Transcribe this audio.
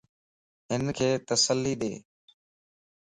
ھنک تسلي ڏي